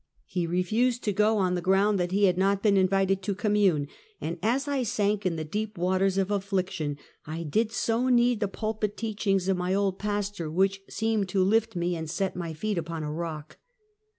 He refused to go, on the ground that he liad not been invited to commune, and as I sank in the deep waters of affliction, I did so need the pulpit teachings of my old pastor, which seemed to lift me and set my feet upon a rock.